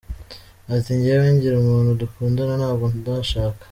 Ati “ Njyewe ngira umuntu dukundana ntabwo ndashaka.